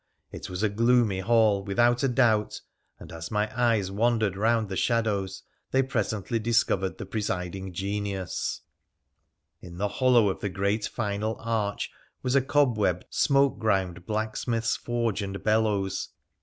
It was a gloomy hall, without a doubt, and as my eyes wandered round the shadows they presently discovered the presiding genius. PUR A THE PSmmClAN 295 In the hollow of the great final arch was a cobwebbed, Bmoke grimed blacksmith's forge and bellows.